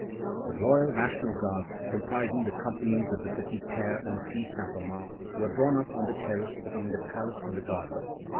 The loyal National Guards, comprising the companies of the Petits Pères and the Filles Saint Thomas, were drawn up on the terrace between the palace and the garden.